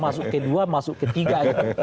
masuk ke dua masuk ke tiga